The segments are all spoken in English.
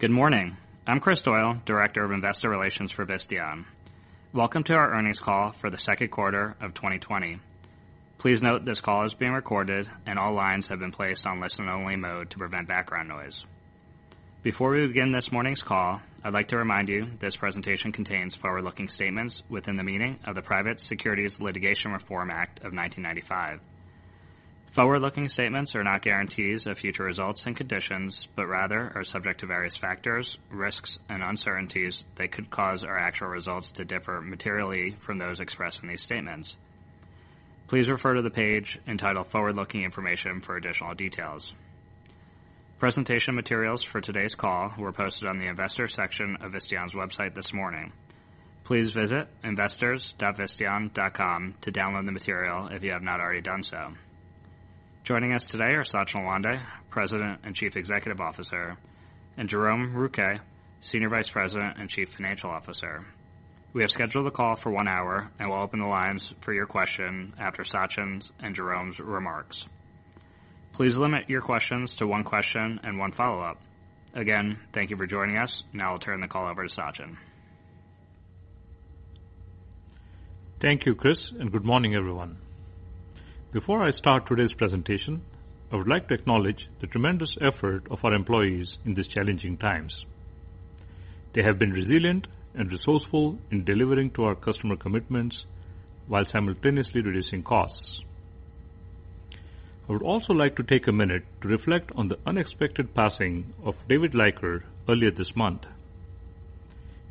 Good morning. I'm Kris Doyle, Director of Investor Relations for Visteon. Welcome to our earnings call for the second quarter of 2020. Please note this call is being recorded and all lines have been placed on listen only mode to prevent background noise. Before we begin this morning's call, I'd like to remind you this presentation contains forward-looking statements within the meaning of the Private Securities Litigation Reform Act of 1995. Forward-looking statements are not guarantees of future results and conditions, but rather are subject to various factors, risks, and uncertainties that could cause our actual results to differ materially from those expressed in these statements. Please refer to the page entitled Forward-Looking Information for additional details. Presentation materials for today's call were posted on the investors section of Visteon's website this morning. Please visit investors.visteon.com to download the material if you have not already done so. Joining us today are Sachin Lawande, President and Chief Executive Officer, and Jerome Rouquet, Senior Vice President and Chief Financial Officer. We have scheduled the call for one hour and will open the lines for your question after Sachin's and Jerome's remarks. Please limit your questions to one question and one follow-up. Again, thank you for joining us. Now I'll turn the call over to Sachin. Thank you, Kris, and good morning, everyone. Before I start today's presentation, I would like to acknowledge the tremendous effort of our employees in these challenging times. They have been resilient and resourceful in delivering to our customer commitments while simultaneously reducing costs. I would also like to take a minute to reflect on the unexpected passing of David Leiker earlier this month.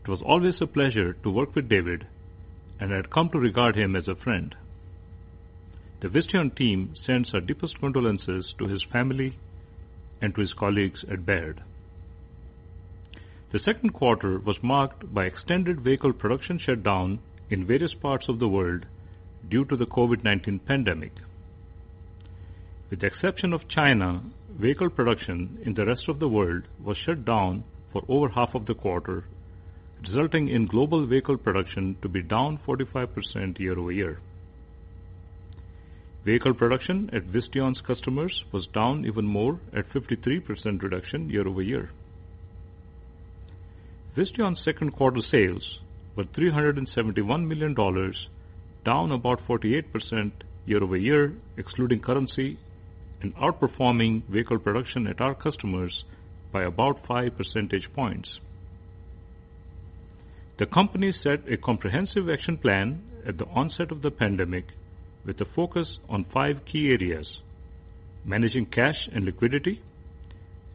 It was always a pleasure to work with David, and I had come to regard him as a friend. The Visteon team sends our deepest condolences to his family and to his colleagues at Baird. The second quarter was marked by extended vehicle production shutdown in various parts of the world due to the COVID-19 pandemic. With the exception of China, vehicle production in the rest of the world was shut down for over half of the quarter, resulting in global vehicle production to be down 45% year-over-year. Vehicle production at Visteon's customers was down even more at 53% reduction year-over-year. Visteon's second quarter sales were $371 million, down about 48% year-over-year, excluding currency, and outperforming vehicle production at our customers by about five percentage points. The company set a comprehensive action plan at the onset of the pandemic with a focus on five key areas. Managing cash and liquidity,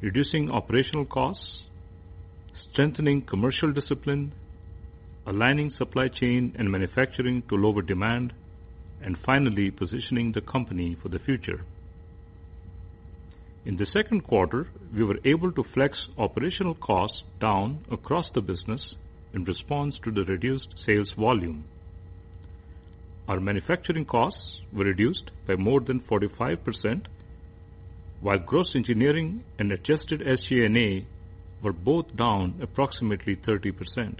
reducing operational costs, strengthening commercial discipline, aligning supply chain and manufacturing to lower demand, and finally, positioning the company for the future. In the second quarter, we were able to flex operational costs down across the business in response to the reduced sales volume. Our manufacturing costs were reduced by more than 45%, while gross engineering and adjusted SG&A were both down approximately 30%.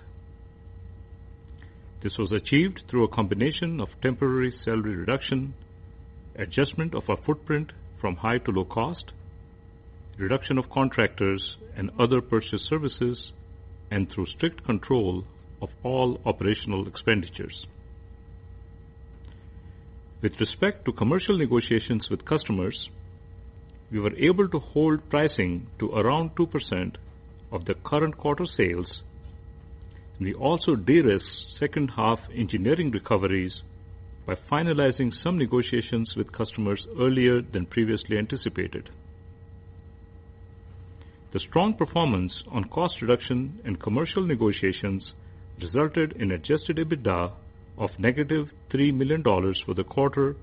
This was achieved through a combination of temporary salary reduction, adjustment of our footprint from high to low cost, reduction of contractors and other purchased services, and through strict control of all operational expenditures. With respect to commercial negotiations with customers, we were able to hold pricing to around 2% of the current quarter sales. We also de-risked second half engineering recoveries by finalizing some negotiations with customers earlier than previously anticipated. The strong performance on cost reduction and commercial negotiations resulted in adjusted EBITDA of -$3 million for the quarter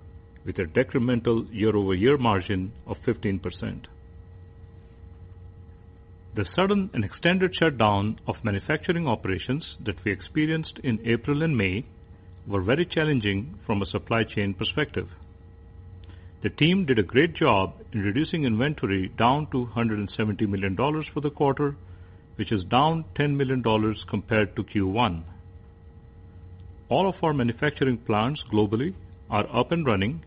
with a decremental year-over-year margin of 15%. The sudden and extended shutdown of manufacturing operations that we experienced in April and May were very challenging from a supply chain perspective. The team did a great job in reducing inventory down to $170 million for the quarter, which is down $10 million compared to Q1. All of our manufacturing plants globally are up and running,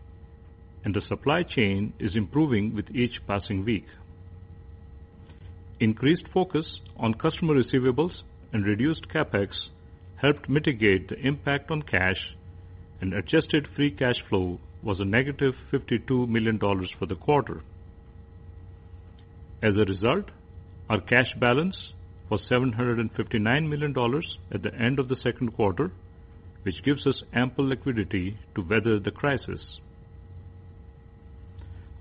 and the supply chain is improving with each passing week. Increased focus on customer receivables and reduced CapEx helped mitigate the impact on cash, and adjusted free cash flow was a -$52 million for the quarter. As a result, our cash balance was $759 million at the end of the second quarter, which gives us ample liquidity to weather the crisis.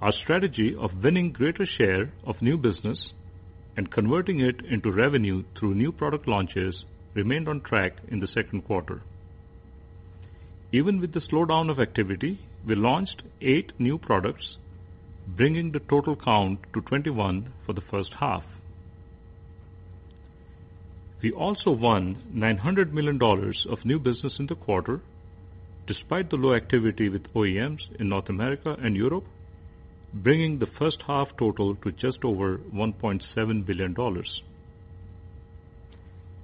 Our strategy of winning greater share of new business and converting it into revenue through new product launches remained on track in the second quarter. Even with the slowdown of activity, we launched eight new products, bringing the total count to 21 for the first half. We also won $900 million of new business in the quarter, despite the low activity with OEMs in North America and Europe, bringing the first half total to just over $1.7 billion.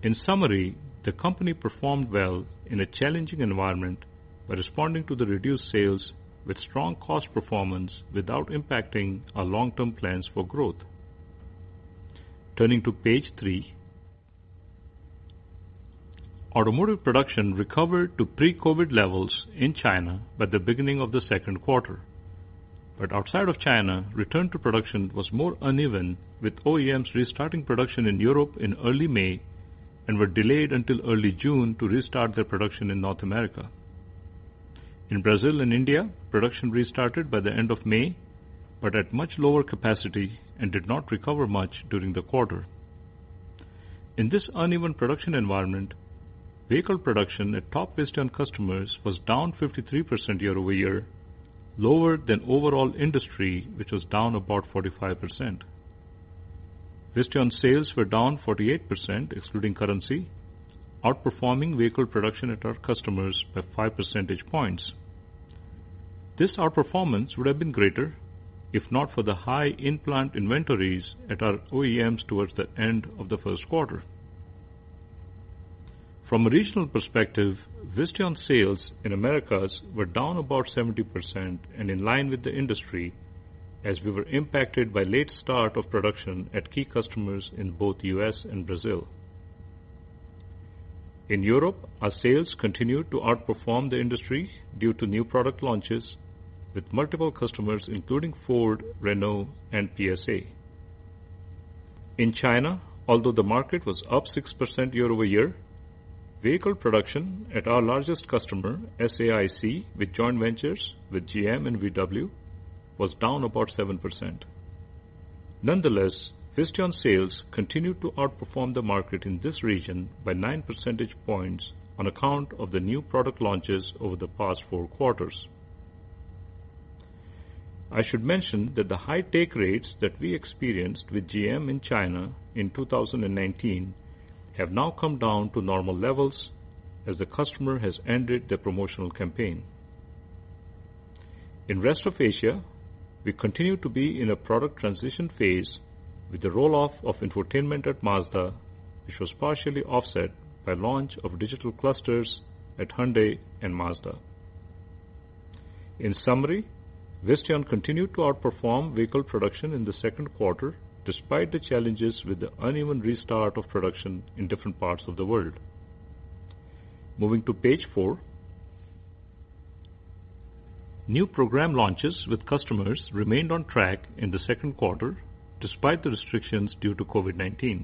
In summary, the company performed well in a challenging environment by responding to the reduced sales with strong cost performance without impacting our long-term plans for growth. Turning to page three. Automotive production recovered to pre-COVID levels in China by the beginning of the second quarter. Outside of China, return to production was more uneven, with OEMs restarting production in Europe in early May and were delayed until early June to restart their production in North America. In Brazil and India, production restarted by the end of May, but at much lower capacity and did not recover much during the quarter. In this uneven production environment, vehicle production at top Visteon customers was down 53% year-over-year, lower than overall industry, which was down about 45%. Visteon sales were down 48%, excluding currency, outperforming vehicle production at our customers by five percentage points. This outperformance would have been greater if not for the high in-plant inventories at our OEMs towards the end of the first quarter. From a regional perspective, Visteon sales in Americas were down about 70% and in line with the industry, as we were impacted by late start of production at key customers in both U.S. and Brazil. In Europe, our sales continued to outperform the industry due to new product launches with multiple customers, including Ford, Renault, and PSA. In China, although the market was up 6% year-over-year, vehicle production at our largest customer, SAIC, with joint ventures with GM and VW, was down about 7%. Nonetheless, Visteon sales continued to outperform the market in this region by nine percentage points on account of the new product launches over the past four quarters. I should mention that the high take rates that we experienced with GM in China in 2019 have now come down to normal levels as the customer has ended their promotional campaign. In rest of Asia, we continue to be in a product transition phase with the roll-off of infotainment at Mazda, which was partially offset by launch of digital clusters at Hyundai and Mazda. In summary, Visteon continued to outperform vehicle production in the second quarter, despite the challenges with the uneven restart of production in different parts of the world. Moving to page four. New program launches with customers remained on track in the second quarter, despite the restrictions due to COVID-19.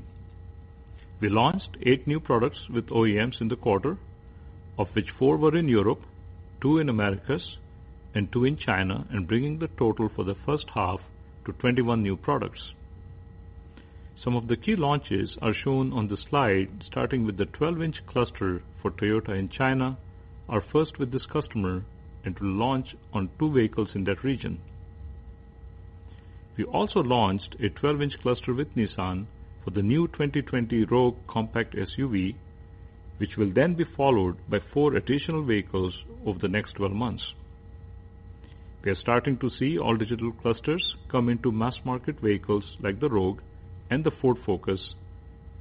We launched eight new products with OEMs in the quarter, of which four were in Europe, two in Americas, and two in China, bringing the total for the first half to 21 new products. Some of the key launches are shown on the slide, starting with the 12-inch cluster for Toyota in China, our first with this customer, will launch on two vehicles in that region. We also launched a 12-inch cluster with Nissan for the new 2020 Rogue compact SUV, which will be followed by four additional vehicles over the next 12 months. We are starting to see all digital clusters come into mass market vehicles like the Rogue and the Ford Focus,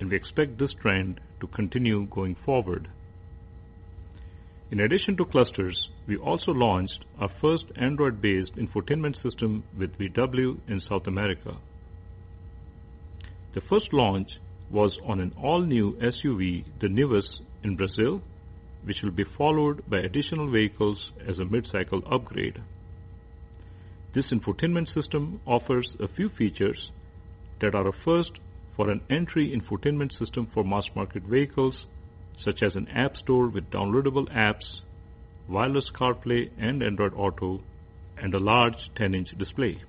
We expect this trend to continue going forward. In addition to clusters, we also launched our first Android-based infotainment system with VW in South America. The first launch was on an all-new SUV, the Nivus, in Brazil, which will be followed by additional vehicles as a mid-cycle upgrade. This infotainment system offers a few features that are a first for an entry infotainment system for mass market vehicles, such as an app store with downloadable apps, wireless CarPlay and Android Auto, and a large 10-inch display.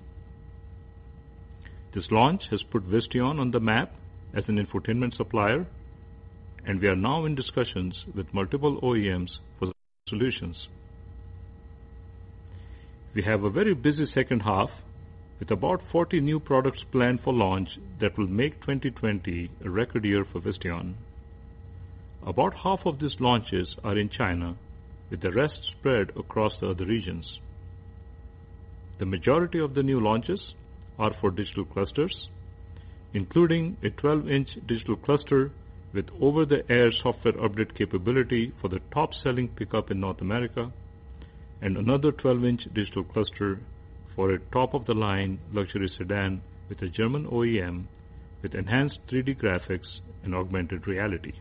This launch has put Visteon on the map as an infotainment supplier, and we are now in discussions with multiple OEMs for solutions. We have a very busy second half with about 40 new products planned for launch that will make 2020 a record year for Visteon. About half of these launches are in China, with the rest spread across the other regions. The majority of the new launches are for digital clusters, including a 12-inch digital cluster with over-the-air software update capability for the top-selling pickup in North America, and another 12-inch digital cluster for a top-of-the-line luxury sedan with a German OEM with enhanced 3D graphics and augmented reality.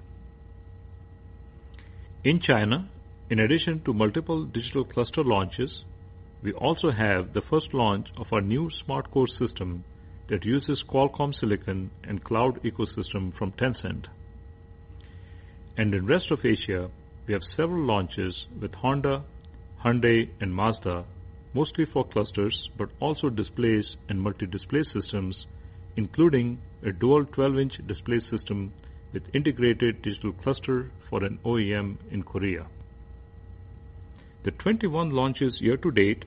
In China, in addition to multiple digital cluster launches, we also have the first launch of our new SmartCore system that uses Qualcomm silicon and cloud ecosystem from Tencent. In rest of Asia, we have several launches with Honda, Hyundai, and Mazda, mostly for clusters, but also displays and multi-display systems, including a dual 12-inch display system with integrated digital cluster for an OEM in Korea. The 21 launches year to date,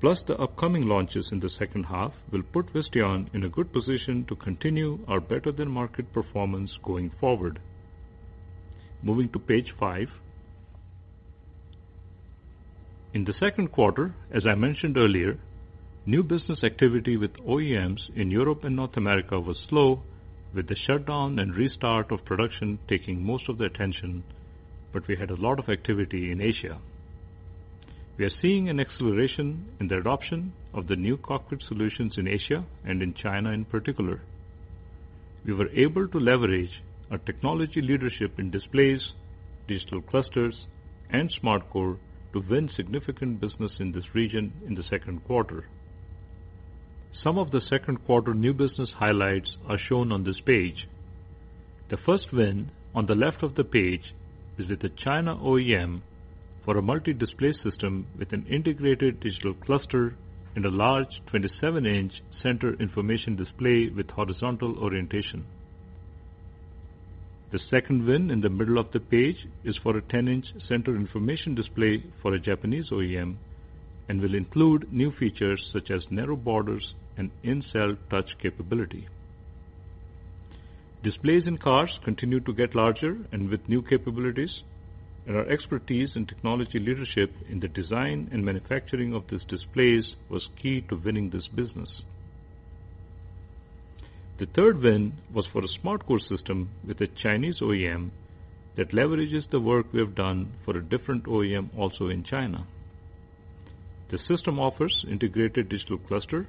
plus the upcoming launches in the second half, will put Visteon in a good position to continue our better than market performance going forward. Moving to page five. In the second quarter, as I mentioned earlier, new business activity with OEMs in Europe and North America was slow, with the shutdown and restart of production taking most of the attention, but we had a lot of activity in Asia. We are seeing an acceleration in the adoption of the new cockpit solutions in Asia and in China in particular. We were able to leverage our technology leadership in displays, digital clusters, and SmartCore to win significant business in this region in the second quarter. Some of the second quarter new business highlights are shown on this page. The first win on the left of the page is with the China OEM for a multi-display system with an integrated digital cluster and a large 27-inch center information display with horizontal orientation. The second win in the middle of the page is for a 10-inch center information display for a Japanese OEM and will include new features such as narrow borders and in-cell touch capability. Displays in cars continue to get larger and with new capabilities, and our expertise and technology leadership in the design and manufacturing of these displays was key to winning this business. The third win was for a SmartCore system with a Chinese OEM that leverages the work we have done for a different OEM also in China. The system offers integrated digital cluster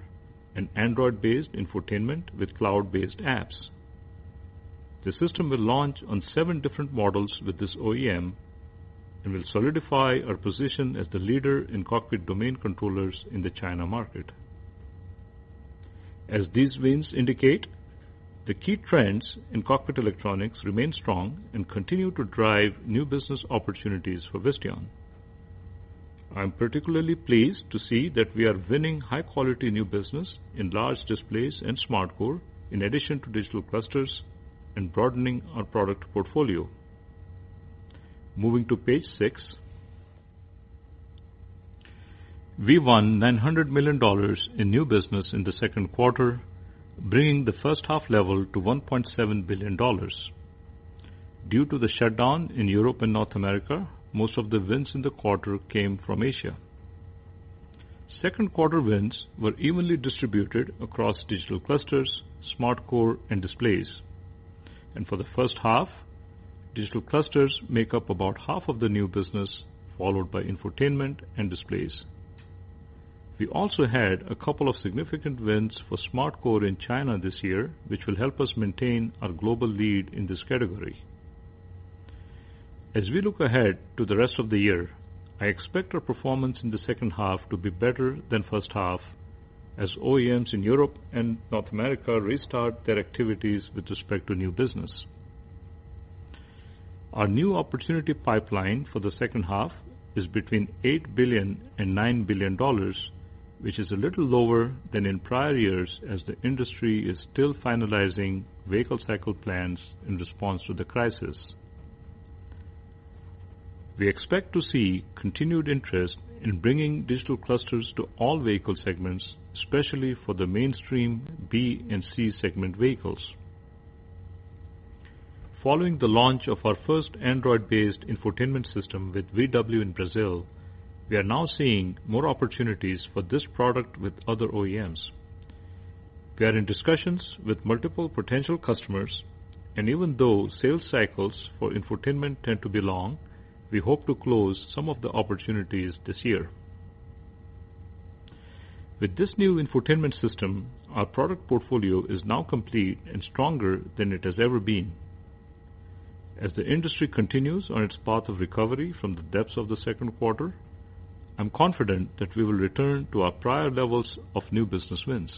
and Android-based infotainment with cloud-based apps. The system will launch on seven different models with this OEM and will solidify our position as the leader in cockpit domain controllers in the China market. As these wins indicate, the key trends in cockpit electronics remain strong and continue to drive new business opportunities for Visteon. I am particularly pleased to see that we are winning high-quality new business in large displays and SmartCore, in addition to digital clusters and broadening our product portfolio. Moving to page six. We won $900 million in new business in the second quarter, bringing the first half level to $1.7 billion. Due to the shutdown in Europe and North America, most of the wins in the quarter came from Asia. Second quarter wins were evenly distributed across digital clusters, SmartCore, and displays. For the first half, digital clusters make up about half of the new business, followed by infotainment and displays. We also had a couple of significant wins for SmartCore in China this year, which will help us maintain our global lead in this category. We look ahead to the rest of the year, I expect our performance in the second half to be better than first half as OEMs in Europe and North America restart their activities with respect to new business. Our new opportunity pipeline for the second half is between $8 billion-$9 billion, which is a little lower than in prior years as the industry is still finalizing vehicle cycle plans in response to the crisis. We expect to see continued interest in bringing digital clusters to all vehicle segments, especially for the mainstream B and C segment vehicles. Following the launch of our first Android-based infotainment system with VW in Brazil, we are now seeing more opportunities for this product with other OEMs. We are in discussions with multiple potential customers, and even though sales cycles for infotainment tend to be long, we hope to close some of the opportunities this year. With this new infotainment system, our product portfolio is now complete and stronger than it has ever been. As the industry continues on its path of recovery from the depths of the second quarter, I'm confident that we will return to our prior levels of new business wins.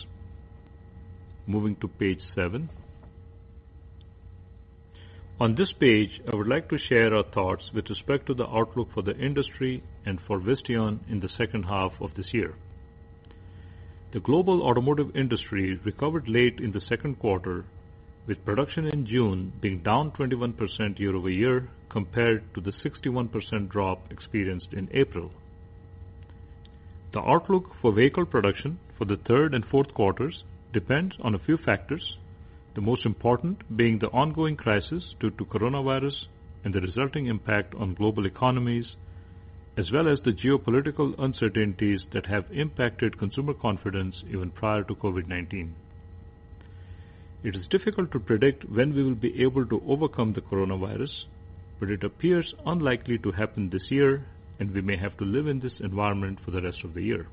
Moving to page seven. On this page, I would like to share our thoughts with respect to the outlook for the industry and for Visteon in the second half of this year. The global automotive industry recovered late in the second quarter, with production in June being down 21% year-over-year compared to the 61% drop experienced in April. The outlook for vehicle production for the third and fourth quarters depends on a few factors, the most important being the ongoing crisis due to coronavirus and the resulting impact on global economies, as well as the geopolitical uncertainties that have impacted consumer confidence even prior to COVID-19. It is difficult to predict when we will be able to overcome the coronavirus, but it appears unlikely to happen this year, and we may have to live in this environment for the rest of the year.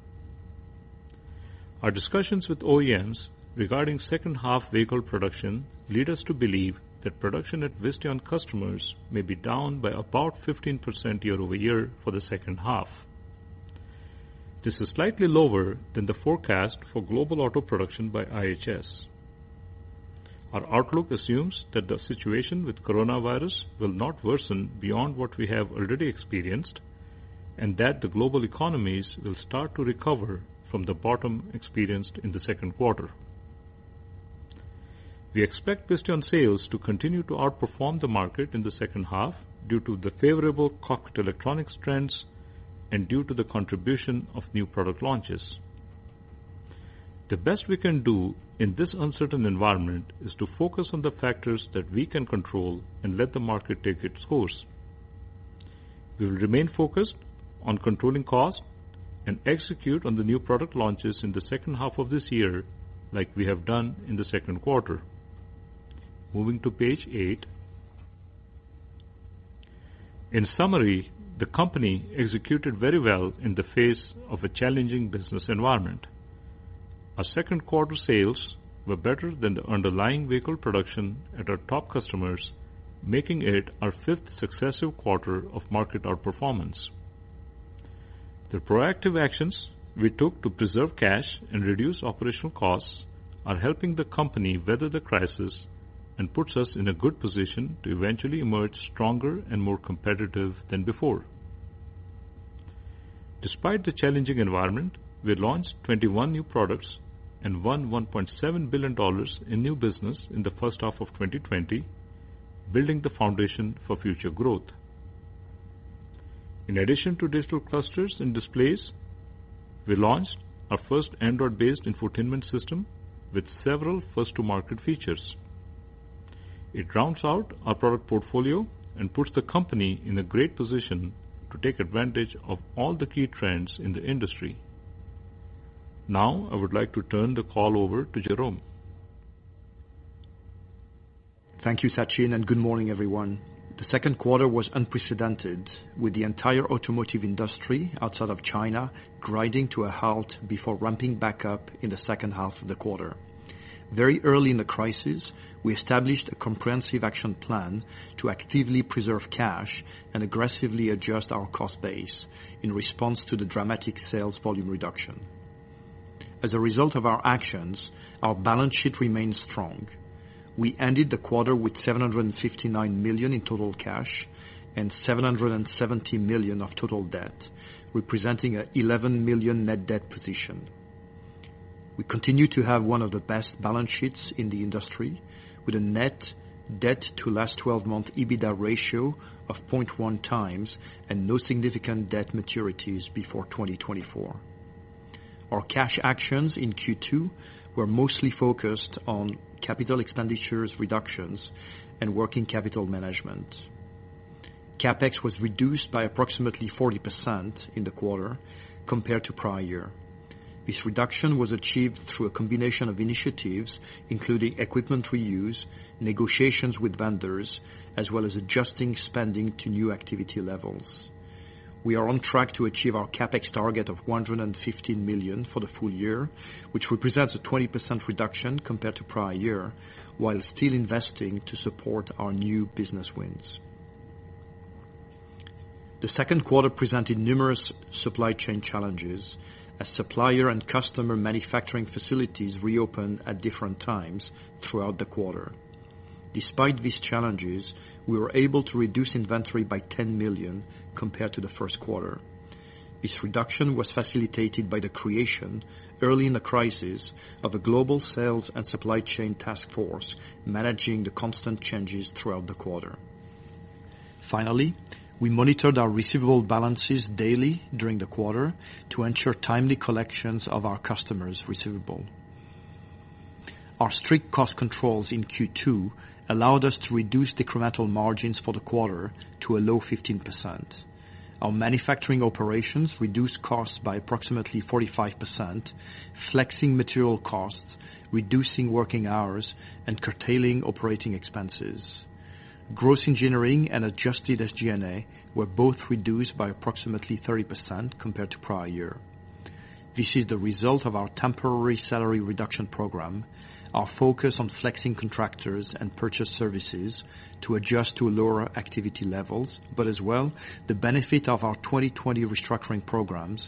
Our discussions with OEMs regarding second half vehicle production lead us to believe that production at Visteon customers may be down by about 15% year-over-year for the second half. This is slightly lower than the forecast for global auto production by IHS. Our outlook assumes that the situation with coronavirus will not worsen beyond what we have already experienced and that the global economies will start to recover from the bottom experienced in the second quarter. We expect Visteon sales to continue to outperform the market in the second half due to the favorable cockpit electronics trends and due to the contribution of new product launches. The best we can do in this uncertain environment is to focus on the factors that we can control and let the market take its course. We will remain focused on controlling cost and execute on the new product launches in the second half of this year like we have done in the second quarter. Moving to page eight. In summary, the company executed very well in the face of a challenging business environment. Our second quarter sales were better than the underlying vehicle production at our top customers, making it our fifth successive quarter of market outperformance. The proactive actions we took to preserve cash and reduce operational costs are helping the company weather the crisis and puts us in a good position to eventually emerge stronger and more competitive than before. Despite the challenging environment, we launched 21 new products and won $1.7 billion in new business in the first half of 2020, building the foundation for future growth. In addition to digital clusters and displays, we launched our first Android-based infotainment system with several first-to-market features. It rounds out our product portfolio and puts the company in a great position to take advantage of all the key trends in the industry. Now, I would like to turn the call over to Jerome. Thank you, Sachin, and good morning, everyone. The second quarter was unprecedented, with the entire automotive industry outside of China grinding to a halt before ramping back up in the second half of the quarter. Very early in the crisis, we established a comprehensive action plan to actively preserve cash and aggressively adjust our cost base in response to the dramatic sales volume reduction. As a result of our actions, our balance sheet remains strong. We ended the quarter with $759 million in total cash and $770 million of total debt, representing an $11 million net debt position. We continue to have one of the best balance sheets in the industry, with a net debt to last 12-month EBITDA ratio of 0.1x and no significant debt maturities before 2024. Our cash actions in Q2 were mostly focused on capital expenditures reductions and working capital management. CapEx was reduced by approximately 40% in the quarter compared to prior year. This reduction was achieved through a combination of initiatives, including equipment reuse, negotiations with vendors, as well as adjusting spending to new activity levels. We are on track to achieve our CapEx target of $115 million for the full year, which represents a 20% reduction compared to prior year, while still investing to support our new business wins. The second quarter presented numerous supply chain challenges as supplier and customer manufacturing facilities reopened at different times throughout the quarter. Despite these challenges, we were able to reduce inventory by $10 million compared to the first quarter. This reduction was facilitated by the creation, early in the crisis, of a global sales and supply chain task force managing the constant changes throughout the quarter. Finally, we monitored our receivable balances daily during the quarter to ensure timely collections of our customers' receivable. Our strict cost controls in Q2 allowed us to reduce incremental margins for the quarter to a low 15%. Our manufacturing operations reduced costs by approximately 45%, flexing material costs, reducing working hours, and curtailing operating expenses. Gross engineering and adjusted SG&A were both reduced by approximately 30% compared to prior year. This is the result of our temporary salary reduction program, our focus on flexing contractors and purchase services to adjust to lower activity levels, but as well, the benefit of our 2020 restructuring programs,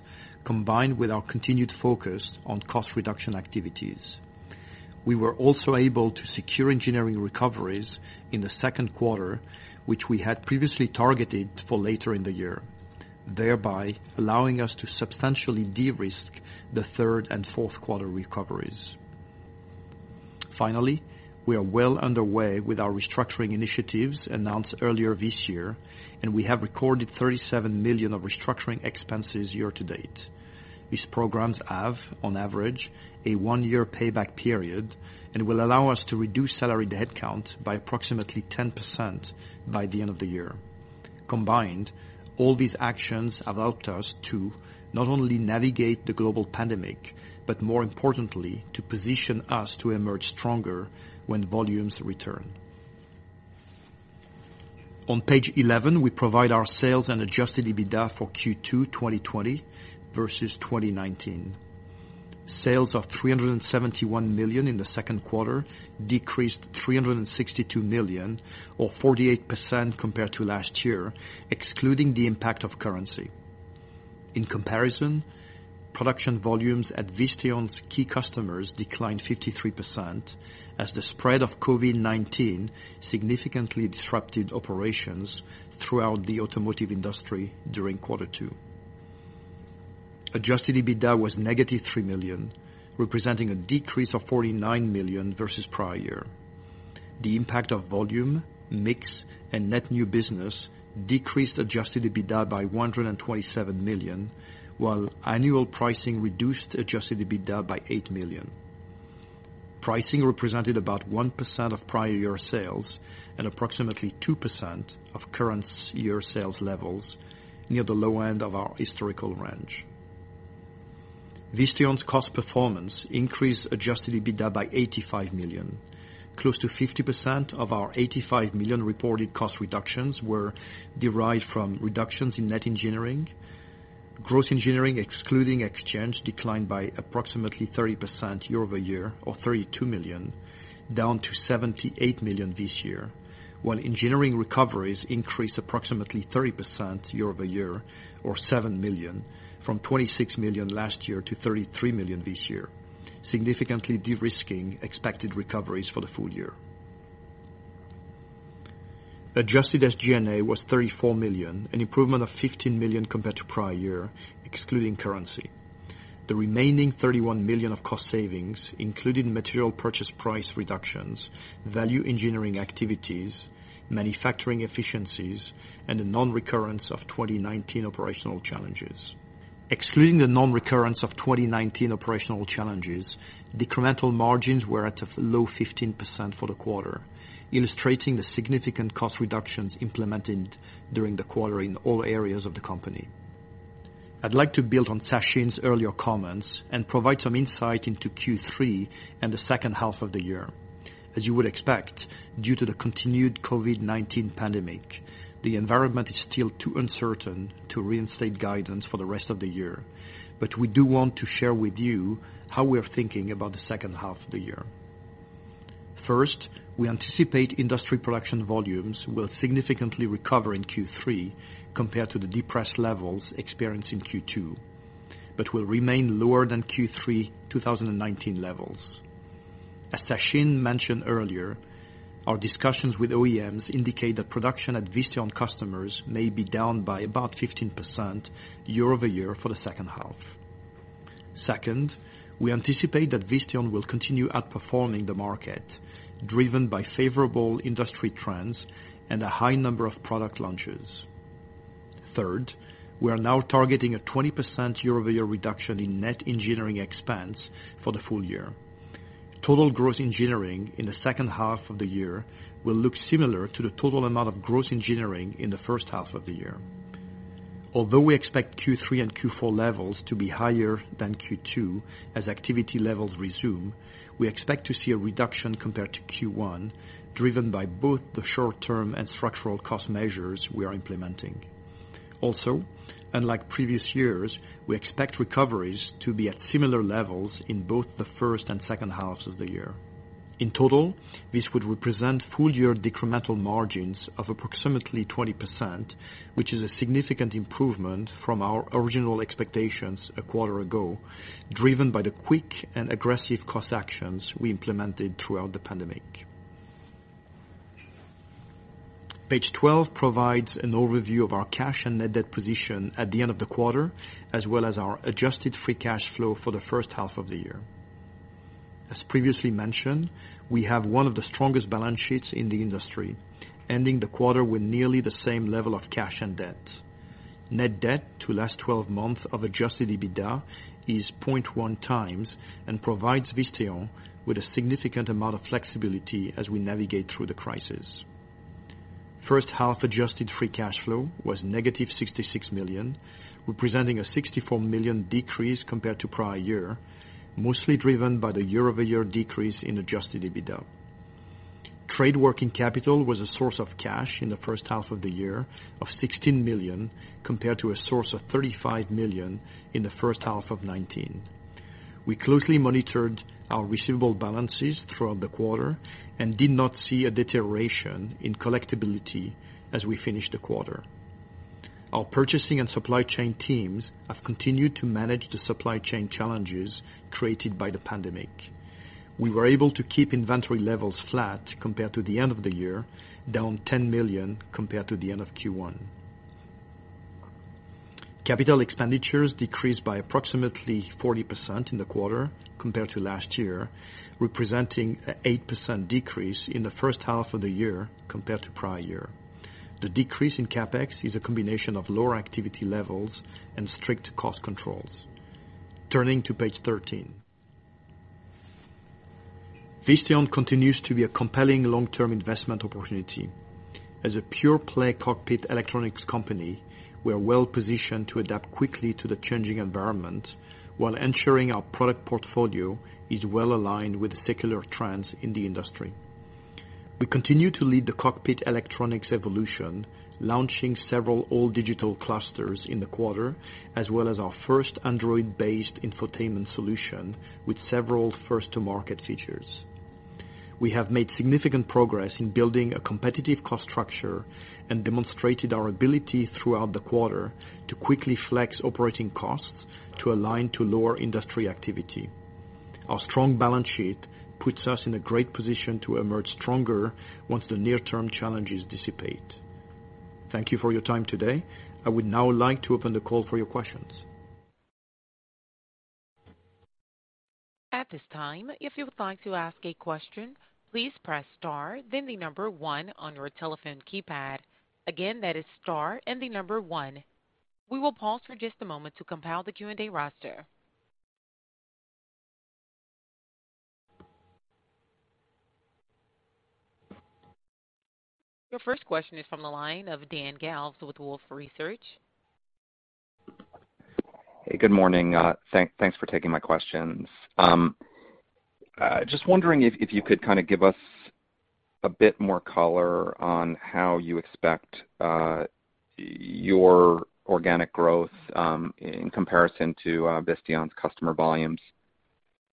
combined with our continued focus on cost reduction activities. We were also able to secure engineering recoveries in the second quarter, which we had previously targeted for later in the year, thereby allowing us to substantially de-risk the third and fourth quarter recoveries. We are well underway with our restructuring initiatives announced earlier this year, and we have recorded $37 million of restructuring expenses year to date. These programs have, on average, a one-year payback period and will allow us to reduce salary headcount by approximately 10% by the end of the year. Combined, all these actions have helped us to not only navigate the global pandemic, but more importantly, to position us to emerge stronger when volumes return. On page 11, we provide our sales and adjusted EBITDA for Q2 2020 versus 2019. Sales of $371 million in the second quarter decreased $362 million or 48% compared to last year, excluding the impact of currency. In comparison, production volumes at Visteon's key customers declined 53% as the spread of COVID-19 significantly disrupted operations throughout the automotive industry during quarter two. Adjusted EBITDA was -$3 million, representing a decrease of $49 million versus prior year. The impact of volume, mix, and net new business decreased adjusted EBITDA by $127 million, while annual pricing reduced adjusted EBITDA by $8 million. Pricing represented about 1% of prior year sales and approximately 2% of current year sales levels, near the low end of our historical range. Visteon's cost performance increased adjusted EBITDA by $85 million. Close to 50% of our $85 million reported cost reductions were derived from reductions in net engineering. Gross engineering, excluding exchange, declined by approximately 30% year-over-year or $32 million, down to $78 million this year, while engineering recoveries increased approximately 30% year-over-year or $7 million from $26 million last year to $33 million this year, significantly de-risking expected recoveries for the full year. Adjusted SG&A was $34 million, an improvement of $15 million compared to prior year, excluding currency. The remaining $31 million of cost savings included material purchase price reductions, value engineering activities, manufacturing efficiencies, and the non-recurrence of 2019 operational challenges. Excluding the non-recurrence of 2019 operational challenges, incremental margins were at a low 15% for the quarter, illustrating the significant cost reductions implemented during the quarter in all areas of the company. I'd like to build on Sachin's earlier comments and provide some insight into Q3 and the second half of the year. As you would expect, due to the continued COVID-19 pandemic, the environment is still too uncertain to reinstate guidance for the rest of the year. We do want to share with you how we are thinking about the second half of the year. First, we anticipate industry production volumes will significantly recover in Q3 compared to the depressed levels experienced in Q2, but will remain lower than Q3 2019 levels. As Sachin mentioned earlier, our discussions with OEMs indicate that production at Visteon customers may be down by about 15% year-over-year for the second half. Second, we anticipate that Visteon will continue outperforming the market, driven by favorable industry trends and a high number of product launches. Third, we are now targeting a 20% year-over-year reduction in net engineering expense for the full year. Total gross engineering in the second half of the year will look similar to the total amount of gross engineering in the first half of the year. Although we expect Q3 and Q4 levels to be higher than Q2 as activity levels resume, we expect to see a reduction compared to Q1, driven by both the short-term and structural cost measures we are implementing. Also, unlike previous years, we expect recoveries to be at similar levels in both the first and second halves of the year. In total, this would represent full year incremental margins of approximately 20%, which is a significant improvement from our original expectations a quarter ago, driven by the quick and aggressive cost actions we implemented throughout the pandemic. Page 12 provides an overview of our cash and net debt position at the end of the quarter, as well as our adjusted free cash flow for the first half of the year. As previously mentioned, we have one of the strongest balance sheets in the industry, ending the quarter with nearly the same level of cash and debt. Net debt to last 12 months of adjusted EBITDA is 0.1x and provides Visteon with a significant amount of flexibility as we navigate through the crisis. First half adjusted free cash flow was -$66 million, representing a $64 million decrease compared to prior year, mostly driven by the year-over-year decrease in adjusted EBITDA. Trade working capital was a source of cash in the first half of the year of $16 million, compared to a source of $35 million in the first half of 2019. We closely monitored our receivable balances throughout the quarter and did not see a deterioration in collectability as we finished the quarter. Our purchasing and supply chain teams have continued to manage the supply chain challenges created by the pandemic. We were able to keep inventory levels flat compared to the end of the year, down $10 million compared to the end of Q1. Capital expenditures decreased by approximately 40% in the quarter compared to last year, representing an 8% decrease in the first half of the year compared to prior year. The decrease in CapEx is a combination of lower activity levels and strict cost controls. Turning to page 13. Visteon continues to be a compelling long-term investment opportunity. As a pure-play cockpit electronics company, we are well positioned to adapt quickly to the changing environment while ensuring our product portfolio is well-aligned with secular trends in the industry. We continue to lead the cockpit electronics evolution, launching several all-digital clusters in the quarter, as well as our first Android-based infotainment solution with several first-to-market features. We have made significant progress in building a competitive cost structure and demonstrated our ability throughout the quarter to quickly flex operating costs to align to lower industry activity. Our strong balance sheet puts us in a great position to emerge stronger once the near-term challenges dissipate. Thank you for your time today. I would now like to open the call for your questions. At this time, if you would like to ask a question, please press star, then the number one on your telephone keypad. That is star and the number one. We will pause for just a moment to compile the Q&A roster. Your first question is from the line of Dan Galves with Wolfe Research. Hey, good morning. Thanks for taking my questions. Just wondering if you could give us a bit more color on how you expect your organic growth in comparison to Visteon's customer volumes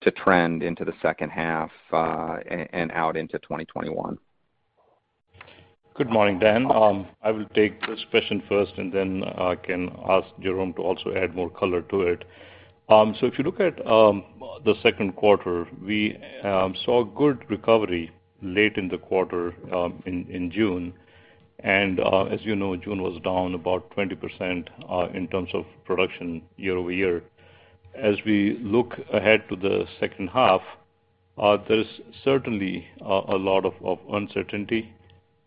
to trend into the second half and out into 2021. Good morning, Dan. I will take this question first, and then I can ask Jerome to also add more color to it. If you look at the second quarter, we saw good recovery late in the quarter in June. As you know, June was down about 20% in terms of production year-over-year. As we look ahead to the second half, there's certainly a lot of uncertainty.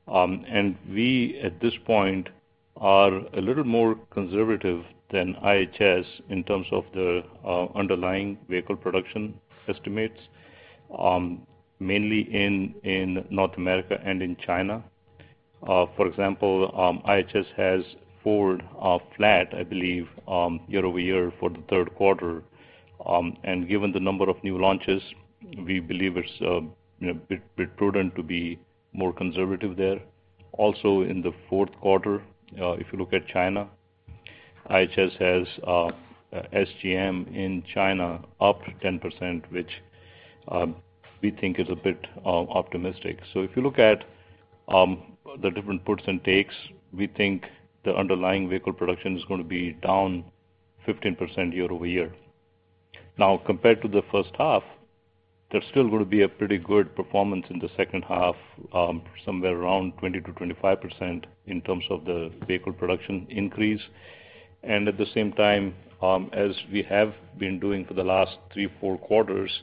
We, at this point, are a little more conservative than IHS in terms of the underlying vehicle production estimates, mainly in North America and in China. For example, IHS has Ford flat, I believe, year-over-year for the third quarter. Given the number of new launches, we believe it's a bit prudent to be more conservative there. Also in the fourth quarter, if you look at China, IHS has SGM in China up 10%, which we think is a bit optimistic. If you look at the different puts and takes, we think the underlying vehicle production is going to be down 15% year-over-year. Now, compared to the first half, there's still going to be a pretty good performance in the second half, somewhere around 20%-25% in terms of the vehicle production increase. At the same time, as we have been doing for the last three, four quarters,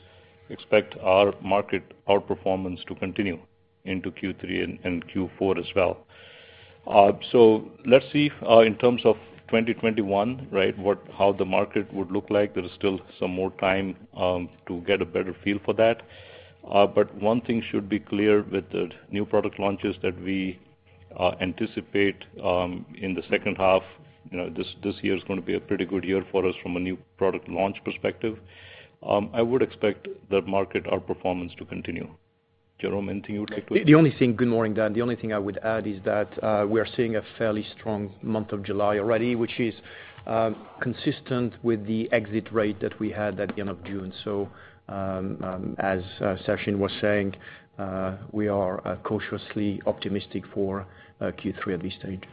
expect our market outperformance to continue into Q3 and Q4 as well. Let's see in terms of 2021, how the market would look like. There is still some more time to get a better feel for that. One thing should be clear with the new product launches that we anticipate in the second half. This year is going to be a pretty good year for us from a new product launch perspective. I would expect that market outperformance to continue. Jerome, anything you would like to add? Good morning, Dan. The only thing I would add is that we are seeing a fairly strong month of July already, which is consistent with the exit rate that we had at the end of June. As Sachin was saying, we are cautiously optimistic for Q3 at this stage.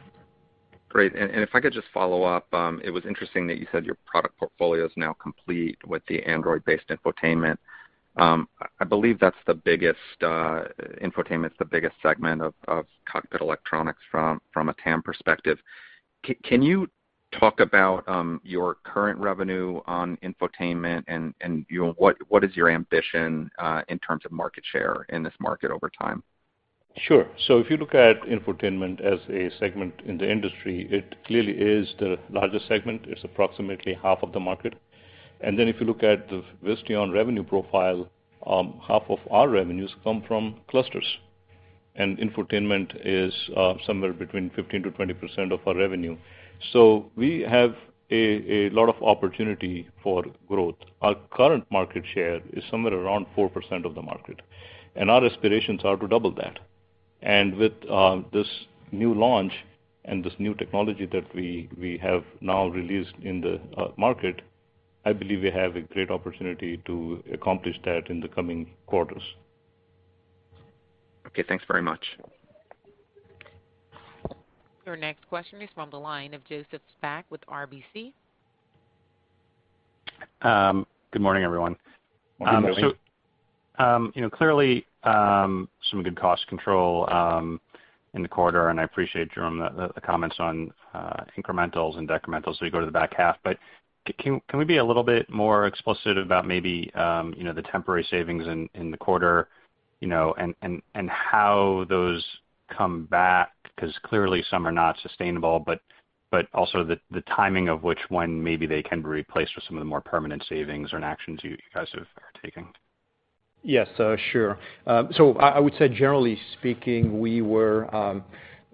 Great. If I could just follow up, it was interesting that you said your product portfolio is now complete with the Android-based infotainment. I believe infotainment is the biggest segment of cockpit electronics from a TAM perspective. Can you talk about your current revenue on infotainment and what is your ambition in terms of market share in this market over time? Sure. If you look at infotainment as a segment in the industry, it clearly is the largest segment. It's approximately half of the market. If you look at the Visteon revenue profile, half of our revenues come from clusters. Infotainment is somewhere between 15%-20% of our revenue. We have a lot of opportunity for growth. Our current market share is somewhere around 4% of the market, and our aspirations are to double that. With this new launch and this new technology that we have now released in the market, I believe we have a great opportunity to accomplish that in the coming quarters. Okay, thanks very much. Your next question is from the line of Joseph Spak with RBC. Good morning, everyone. Morning. Clearly, some good cost control in the quarter, and I appreciate, Jerome, the comments on incrementals and decrementals as we go to the back half. Can we be a little bit more explicit about maybe the temporary savings in the quarter, and how those come back? Clearly some are not sustainable, but also the timing of which one maybe they can be replaced with some of the more permanent savings or actions you guys are taking. Yes, sure. I would say generally speaking, we were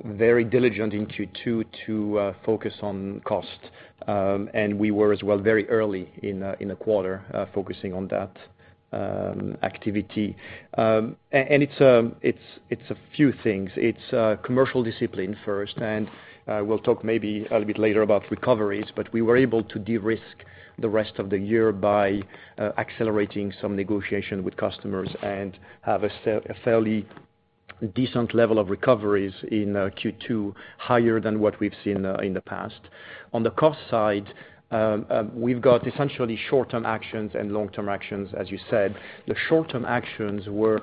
very diligent in Q2 to focus on cost. We were as well very early in the quarter focusing on that activity. It's a few things. It's commercial discipline first, and we'll talk maybe a little bit later about recoveries, but we were able to de-risk the rest of the year by accelerating some negotiation with customers and have a fairly decent level of recoveries in Q2, higher than what we've seen in the past. On the cost side, we've got essentially short-term actions and long-term actions, as you said. The short-term actions were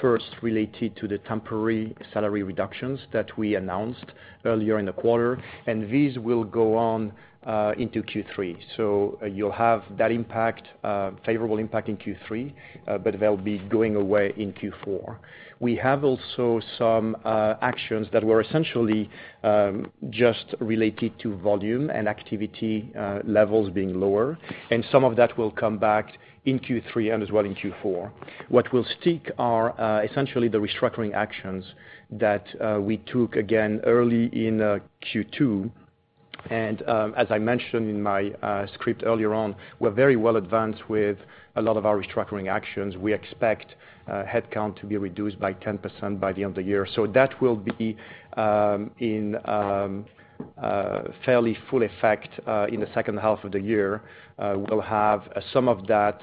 first related to the temporary salary reductions that we announced earlier in the quarter, and these will go on into Q3. You'll have that favorable impact in Q3, but they'll be going away in Q4. We have also some actions that were essentially just related to volume and activity levels being lower, some of that will come back in Q3 and as well in Q4. What will stick are essentially the restructuring actions that we took again early in Q2, as I mentioned in my script earlier on, we're very well advanced with a lot of our restructuring actions. We expect headcount to be reduced by 10% by the end of the year. That will be in fairly full effect in the second half of the year. We'll have some of that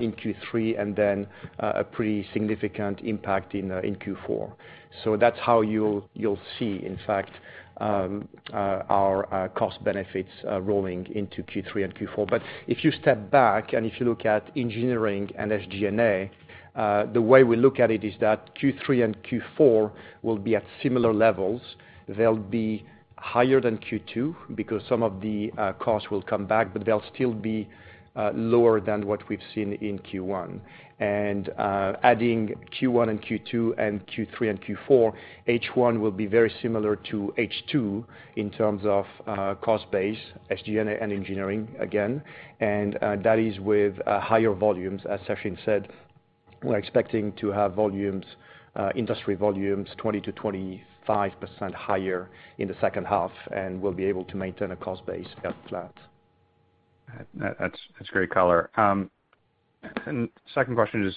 in Q3 and then a pretty significant impact in Q4. That's how you'll see, in fact, our cost benefits rolling into Q3 and Q4. If you step back and if you look at engineering and SG&A, the way we look at it is that Q3 and Q4 will be at similar levels. They'll be higher than Q2 because some of the costs will come back, but they'll still be lower than what we've seen in Q1. Adding Q1 and Q2 and Q3 and Q4, H1 will be very similar to H2 in terms of cost base, SG&A and engineering again, and that is with higher volumes. As Sachin said, we're expecting to have industry volumes 20%-25% higher in the second half, and we'll be able to maintain a cost base at flat. That's great color. Second question is,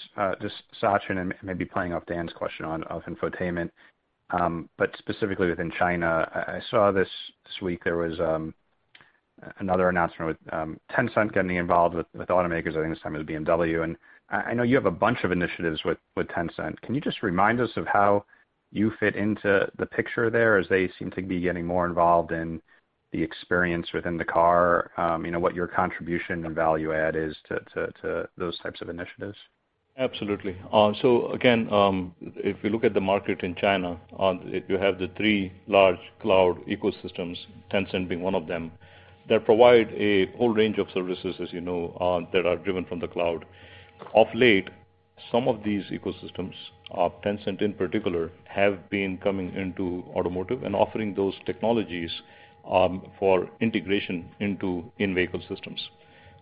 Sachin, and maybe playing off Dan's question of infotainment, but specifically within China. I saw this week there was another announcement with Tencent getting involved with automakers, I think this time it was BMW, and I know you have a bunch of initiatives with Tencent. Can you just remind us of how you fit into the picture there as they seem to be getting more involved in the experience within the car, what your contribution and value add is to those types of initiatives? Absolutely. Again, if you look at the market in China, you have the three large cloud ecosystems, Tencent being one of them, that provide a whole range of services, as you know, that are driven from the cloud. Of late, some of these ecosystems, Tencent in particular, have been coming into automotive and offering those technologies for integration into in-vehicle systems.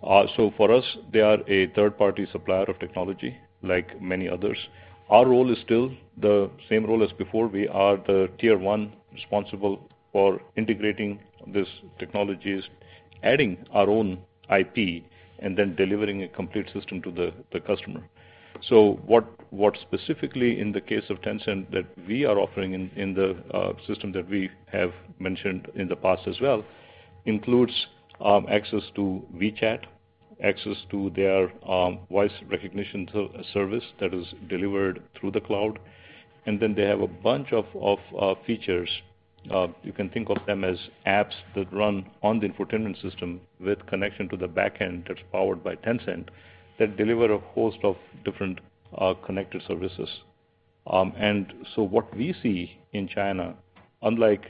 For us, they are a third-party supplier of technology like many others. Our role is still the same role as before. We are the Tier 1 responsible for integrating these technologies, adding our own IP, and then delivering a complete system to the customer. What specifically in the case of Tencent that we are offering in the system that we have mentioned in the past as well includes access to WeChat, access to their voice recognition service that is delivered through the cloud, and then they have a bunch of features. You can think of them as apps that run on the infotainment system with connection to the back end that's powered by Tencent that deliver a host of different connected services. What we see in China, unlike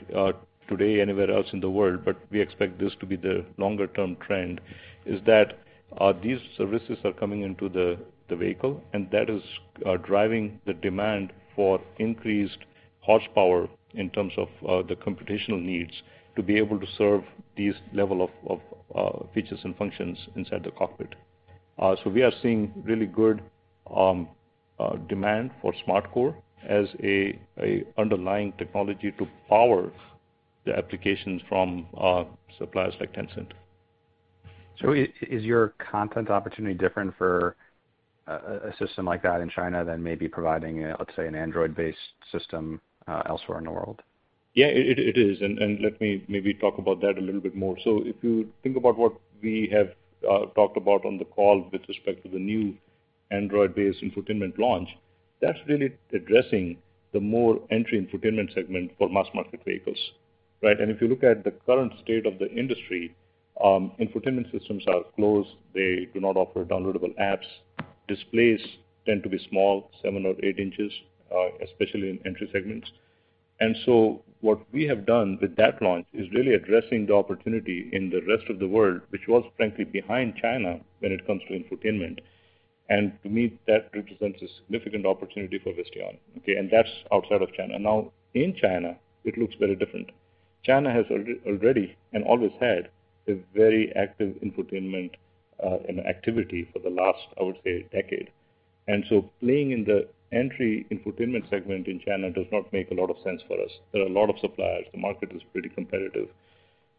today anywhere else in the world, but we expect this to be the longer-term trend, is that these services are coming into the vehicle, and that is driving the demand for increased horsepower in terms of the computational needs to be able to serve these level of features and functions inside the cockpit. We are seeing really good demand for SmartCore as a underlying technology to power the applications from suppliers like Tencent. Is your content opportunity different for a system like that in China than maybe providing, let's say, an Android-based system elsewhere in the world? It is, let me maybe talk about that a little bit more. If you think about what we have talked about on the call with respect to the new Android-based infotainment launch, that's really addressing the more entry infotainment segment for mass market vehicles, right? If you look at the current state of the industry, infotainment systems are closed. They do not offer downloadable apps. Displays tend to be small, seven or eight inches, especially in entry segments. What we have done with that launch is really addressing the opportunity in the rest of the world, which was frankly behind China when it comes to infotainment. To me, that represents a significant opportunity for Visteon, okay, and that's outside of China. In China, it looks very different. China has already and always had a very active infotainment and activity for the last, I would say, decade. Playing in the entry infotainment segment in China does not make a lot of sense for us. There are a lot of suppliers. The market is pretty competitive.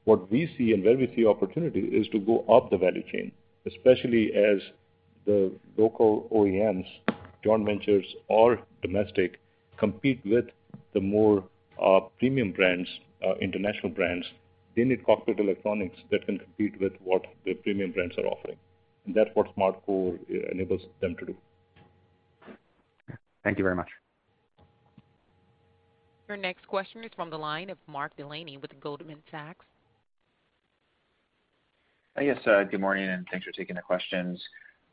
What we see and where we see opportunity is to go up the value chain, especially as the local OEMs, joint ventures or domestic, compete with the more premium brands, international brands. They need cockpit electronics that can compete with what the premium brands are offering. That's what SmartCore enables them to do. Thank you very much. Your next question is from the line of Mark Delaney with Goldman Sachs. Good morning, thanks for taking the questions.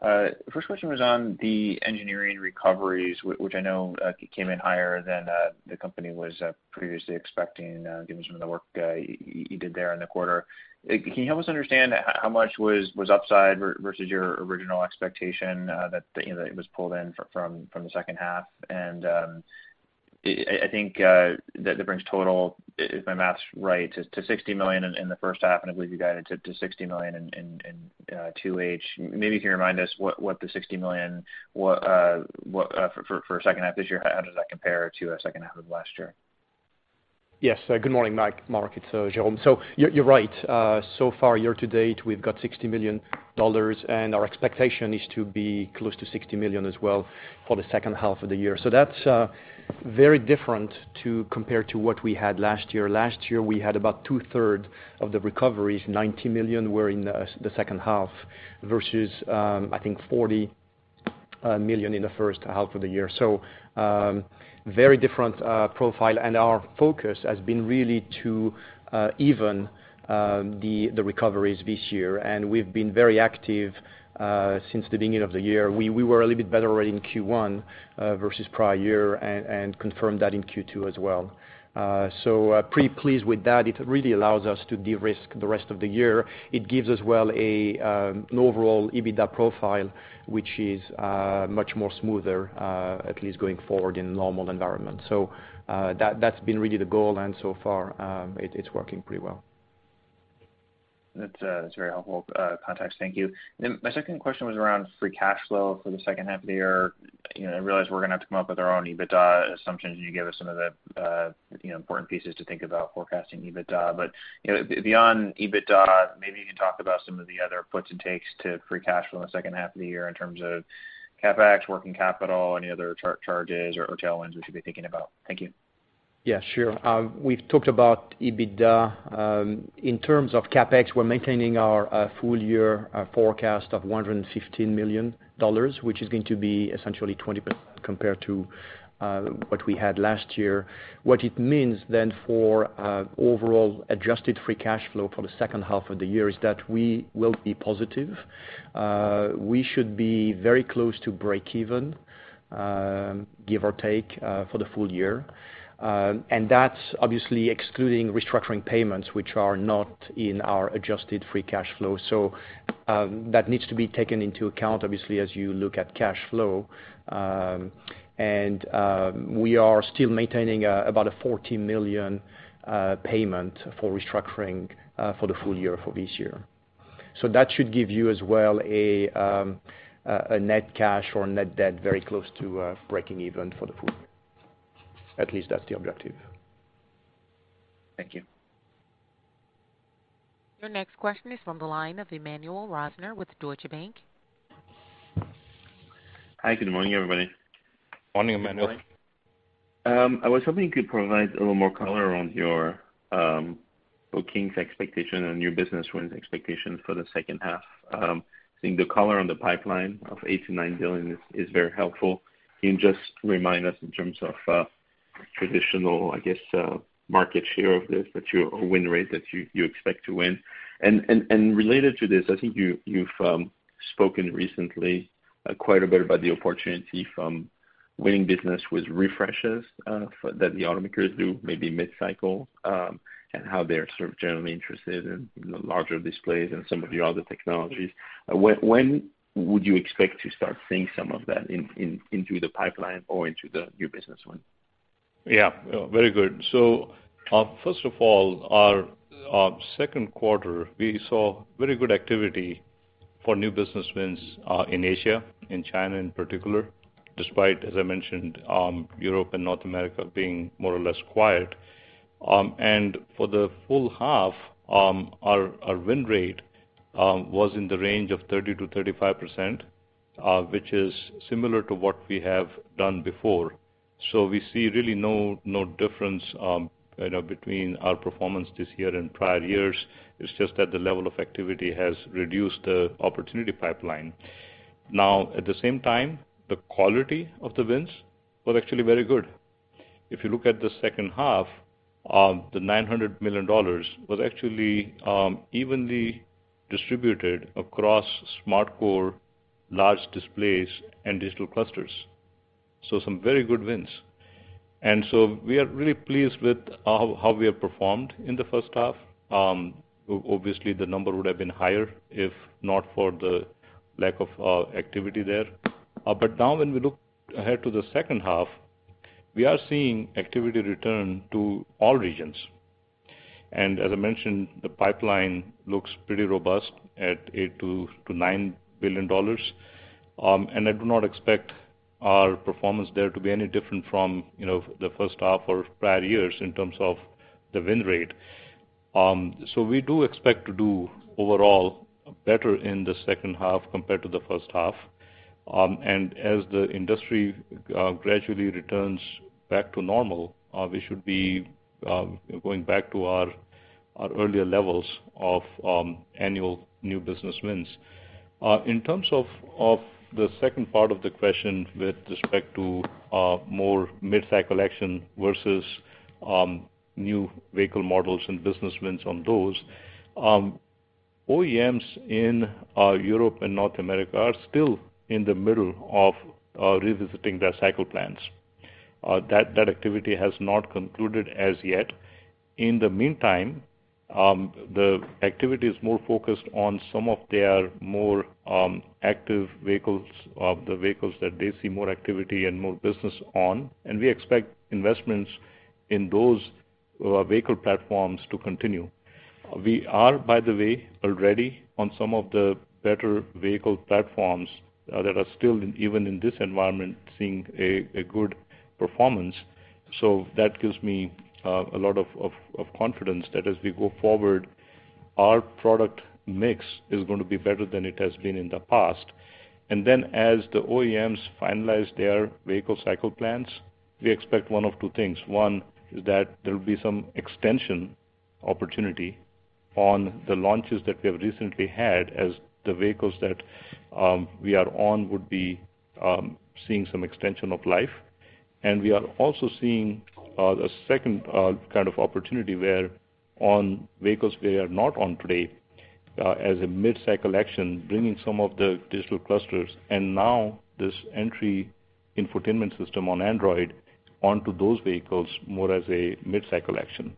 The first question was on the engineering recoveries, which I know came in higher than the company was previously expecting, given some of the work you did there in the quarter. Can you help us understand how much was upside versus your original expectation that it was pulled in from the second half? I think that brings total, if my math's right, to $60 million in the first half, and I believe you guided to $60 million in 2H. Maybe you can remind us what the $60 million for second half this year, how does that compare to second half of last year? Yes. Good morning, Mark. It's Jerome. You're right. Far, year to date, we've got $60 million, and our expectation is to be close to $60 million as well for the second half of the year. That's very different compared to what we had last year. Last year, we had about 2/3 of the recoveries, $90 million were in the second half versus, I think, $40 million in the first half of the year. Very different profile, and our focus has been really to even the recoveries this year, and we've been very active since the beginning of the year. We were a little bit better already in Q1 versus prior year and confirmed that in Q2 as well. Pretty pleased with that. It really allows us to de-risk the rest of the year. It gives us well an overall EBITDA profile, which is much more smoother, at least going forward in a normal environment. That's been really the goal, and so far, it's working pretty well. That's very helpful context. Thank you. My second question was around free cash flow for the second half of the year. I realize we're going to have to come up with our own EBITDA assumptions, and you gave us some of the important pieces to think about forecasting EBITDA. Beyond EBITDA, maybe you can talk about some of the other puts and takes to free cash flow in the second half of the year in terms of CapEx, working capital, any other charges or tailwinds we should be thinking about. Thank you. Yeah, sure. We've talked about EBITDA. In terms of CapEx, we're maintaining our full year forecast of $115 million, which is going to be essentially 20% compared to what we had last year. What it means, then, for overall adjusted free cash flow for the second half of the year is that we will be positive. We should be very close to breakeven, give or take, for the full year. That's obviously excluding restructuring payments, which are not in our adjusted free cash flow. That needs to be taken into account, obviously, as you look at cash flow. We are still maintaining about a $14 million payment for restructuring for the full year for this year. That should give you as well a net cash or net debt very close to breaking even for the full year. At least that's the objective. Thank you. Your next question is from the line of Emmanuel Rosner with Deutsche Bank. Hi, good morning, everybody. Morning, Emmanuel. I was hoping you could provide a little more color on your bookings expectation and new business wins expectations for the second half. I think the color on the pipeline of $8 billion-$9 billion is very helpful. Can you just remind us in terms of traditional, I guess, market share of this, that your win rate that you expect to win. Related to this, I think you've spoken recently quite a bit about the opportunity from winning business with refreshes that the automakers do, maybe mid-cycle, and how they're sort of generally interested in larger displays and some of your other technologies. When would you expect to start seeing some of that into the pipeline or into the new business win? Yeah. Very good. First of all, our second quarter, we saw very good activity for new business wins in Asia, in China in particular, despite, as I mentioned, Europe and North America being more or less quiet. For the full half, our win rate was in the range of 30%-35%, which is similar to what we have done before. We see really no difference between our performance this year and prior years. It's just that the level of activity has reduced the opportunity pipeline. At the same time, the quality of the wins was actually very good. If you look at the second half, the $900 million was actually evenly distributed across SmartCore large displays and digital clusters. Some very good wins. We are really pleased with how we have performed in the first half. Obviously, the number would have been higher if not for the lack of activity there. Now when we look ahead to the second half, we are seeing activity return to all regions. As I mentioned, the pipeline looks pretty robust at $8 billion-$9 billion. I do not expect our performance there to be any different from the first half or prior years in terms of the win rate. We do expect to do overall better in the second half compared to the first half. As the industry gradually returns back to normal, we should be going back to our earlier levels of annual new business wins. In terms of the second part of the question with respect to more mid-cycle action versus new vehicle models and business wins on those, OEMs in Europe and North America are still in the middle of revisiting their cycle plans. That activity has not concluded as yet. In the meantime, the activity is more focused on some of their more active vehicles, the vehicles that they see more activity and more business on. We expect investments in those vehicle platforms to continue. We are, by the way, already on some of the better vehicle platforms that are still, even in this environment, seeing a good performance. That gives me a lot of confidence that as we go forward, our product mix is going to be better than it has been in the past. As the OEMs finalize their vehicle cycle plans, we expect one of two things. One is that there will be some extension opportunity on the launches that we have recently had as the vehicles that we are on would be seeing some extension of life. We are also seeing a second kind of opportunity where on vehicles we are not on today, as a mid-cycle action, bringing some of the digital clusters and now this entry infotainment system on Android onto those vehicles more as a mid-cycle action.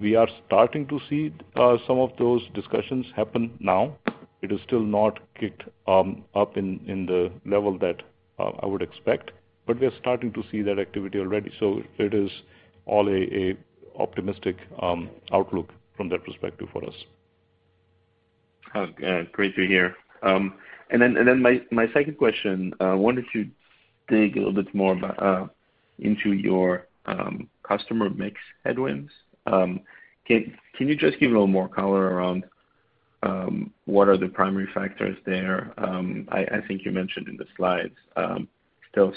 We are starting to see some of those discussions happen now. It has still not kicked up in the level that I would expect, but we are starting to see that activity already. It is all an optimistic outlook from that perspective for us. Great to hear. My second question, I wanted to dig a little bit more into your customer mix headwinds. Can you just give a little more color around what are the primary factors there? I think you mentioned in the slides, still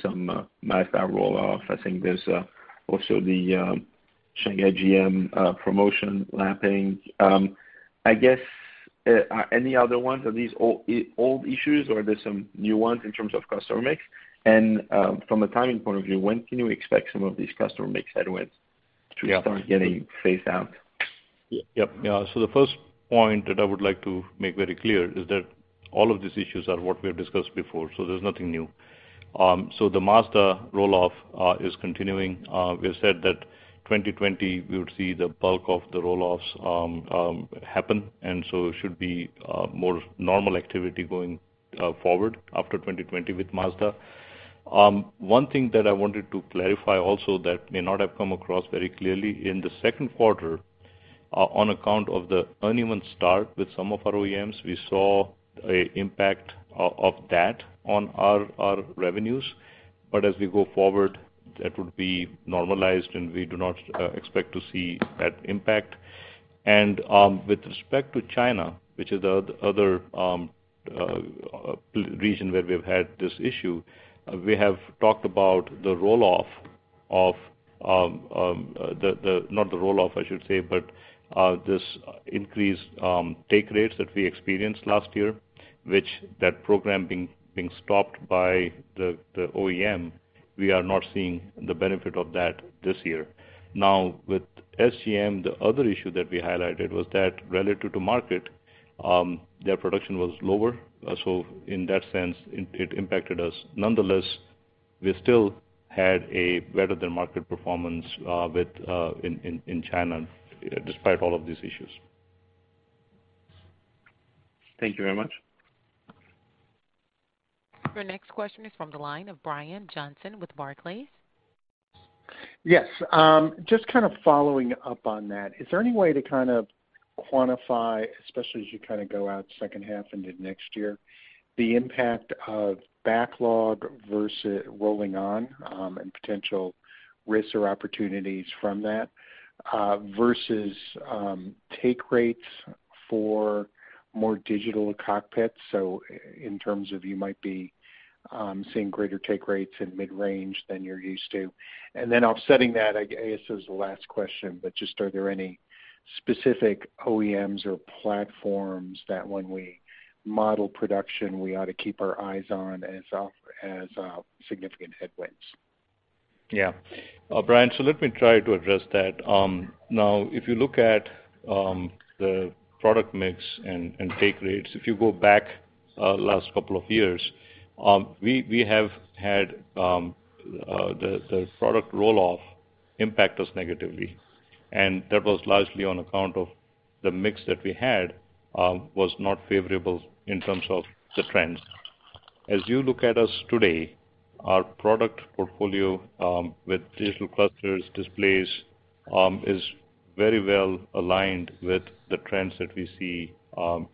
some Mazda roll-off. I think there's also the Shanghai GM promotion lapping. I guess, are any other ones, are these old issues or are there some new ones in terms of customer mix? From a timing point of view, when can you expect some of these customer mix headwinds to start getting phased out? Yep. The first point that I would like to make very clear is that all of these issues are what we have discussed before, so there's nothing new. The Mazda roll-off is continuing. We have said that 2020, we would see the bulk of the roll-offs happen, and so it should be more normal activity going forward after 2020 with Mazda. One thing that I wanted to clarify also that may not have come across very clearly, in the second quarter, on account of the uneven start with some of our OEMs, we saw a impact of that on our revenues. As we go forward, that would be normalized, and we do not expect to see that impact. With respect to China, which is the other region where we've had this issue, we have talked about the roll-off, I should say, but this increased take rates that we experienced last year, which that program being stopped by the OEM, we are not seeing the benefit of that this year. With SGM, the other issue that we highlighted was that relative to market, their production was lower. In that sense, it impacted us. Nonetheless, we still had a better than market performance in China despite all of these issues. Thank you very much. Your next question is from the line of Brian Johnson with Barclays. Yes. Just kind of following up on that, is there any way to kind of quantify, especially as you kind of go out second half into next year, the impact of backlog versus rolling on, and potential risks or opportunities from that, versus take rates for more digital cockpits? In terms of you might be seeing greater take rates in mid-range than you're used to. Then offsetting that, I guess as the last question, but just are there any specific OEMs or platforms that when we model production, we ought to keep our eyes on as significant headwinds? Yeah. Brian, let me try to address that. If you look at the product mix and take rates, if you go back last couple of years, we have had the product roll-off impact us negatively. That was largely on account of the mix that we had was not favorable in terms of the trends. As you look at us today, our product portfolio with digital clusters, displays, is very well aligned with the trends that we see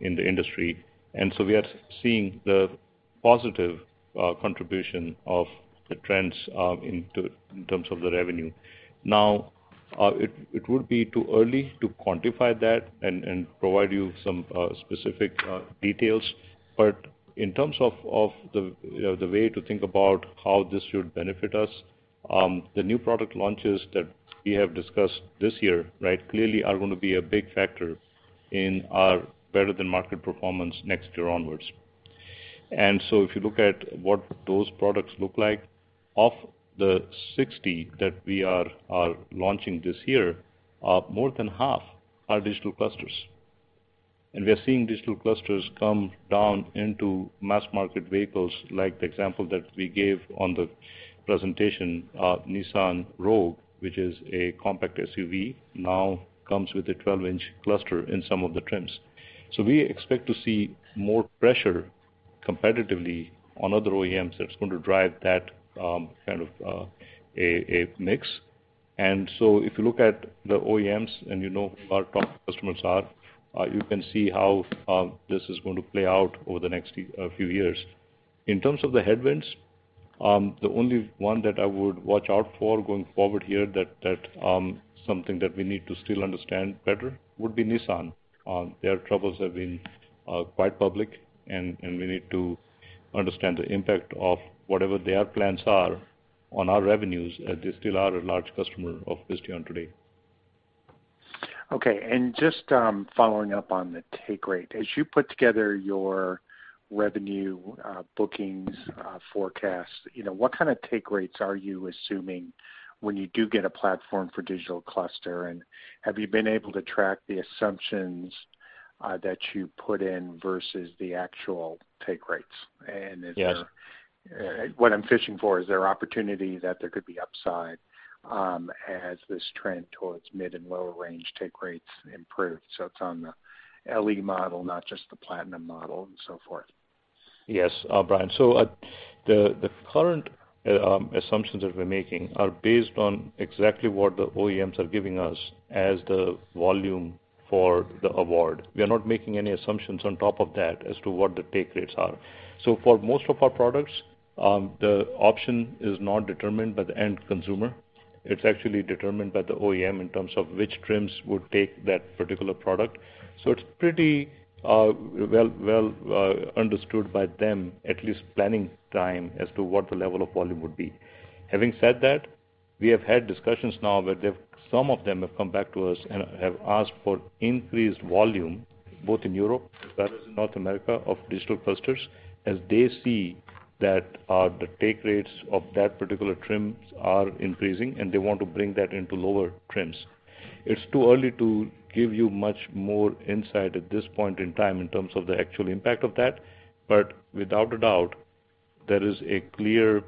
in the industry. We are seeing the positive contribution of the trends in terms of the revenue. It would be too early to quantify that and provide you some specific details. In terms of the way to think about how this should benefit us, the new product launches that we have discussed this year clearly are going to be a big factor in our better than market performance next year onwards. If you look at what those products look like, of the 60 that we are launching this year, more than half are digital clusters. We are seeing digital clusters come down into mass market vehicles, like the example that we gave on the presentation, Nissan Rogue, which is a compact SUV, now comes with a 12-inch cluster in some of the trims. We expect to see more pressure competitively on other OEMs that's going to drive that kind of a mix. If you look at the OEMs and you know who our top customers are, you can see how this is going to play out over the next few years. In terms of the headwinds, the only one that I would watch out for going forward here that something that we need to still understand better would be Nissan. Their troubles have been quite public, and we need to understand the impact of whatever their plans are on our revenues, as they still are a large customer of Visteon today. Okay, just following up on the take rate. As you put together your revenue bookings forecast, what kind of take rates are you assuming when you do get a platform for digital cluster? Have you been able to track the assumptions that you put in versus the actual take rates? Yes. What I'm fishing for, is there opportunity that there could be upside as this trend towards mid and lower range take rates improve? It's on the LE model, not just the platinum model and so forth. Yes, Brian. The current assumptions that we're making are based on exactly what the OEMs are giving us as the volume for the award. We are not making any assumptions on top of that as to what the take rates are. For most of our products, the option is not determined by the end consumer. It's actually determined by the OEM in terms of which trims would take that particular product. It's pretty well understood by them, at least planning time, as to what the level of volume would be. Having said that, we have had discussions now where some of them have come back to us and have asked for increased volume, both in Europe as well as in North America, of digital clusters, as they see that the take rates of that particular trims are increasing, and they want to bring that into lower trims. It's too early to give you much more insight at this point in time in terms of the actual impact of that. Without a doubt, there is a clear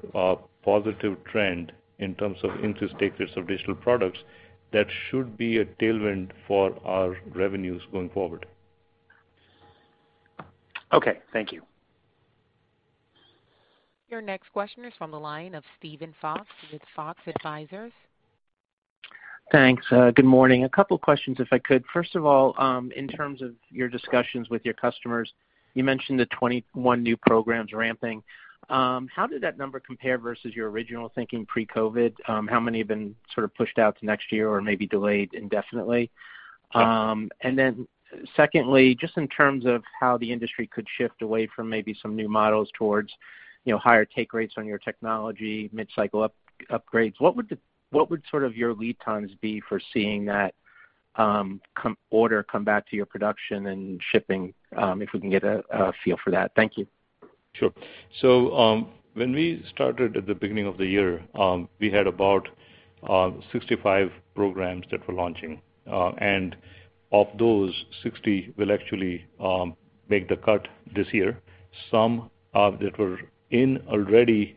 positive trend in terms of increased take rates of digital products that should be a tailwind for our revenues going forward. Okay. Thank you. Your next question is from the line of Steven Fox with Fox Advisors. Thanks. Good morning. A couple questions, if I could. First of all, in terms of your discussions with your customers, you mentioned the 21 new programs ramping. How did that number compare versus your original thinking pre-COVID? How many have been sort of pushed out to next year or maybe delayed indefinitely? Sure. Secondly, just in terms of how the industry could shift away from maybe some new models towards higher take rates on your technology, mid-cycle upgrades, what would sort of your lead times be for seeing that order come back to your production and shipping? If we can get a feel for that. Thank you. Sure. When we started at the beginning of the year, we had about 65 programs that we're launching. Of those 60 will actually make the cut this year. Some that were in already